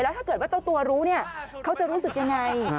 แล้วถ้าเกิดว่าเจ้าตัวรู้เขาจะรู้สึกอย่างไร